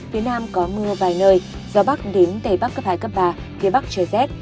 phía nam có mưa vài nơi gió bắc đến tây bắc cấp hai cấp ba phía bắc trời rét